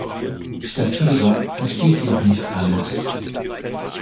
Statira versteht noch nicht alles.